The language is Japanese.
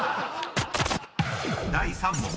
［第３問。